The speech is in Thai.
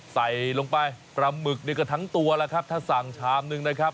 ใส่ลงไปปลาหมึกนี่ก็ทั้งตัวแล้วครับถ้าสั่งชามนึงนะครับ